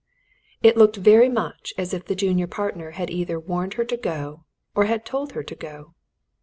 It looked very much as if the junior partner had either warned her to go, or had told her to go.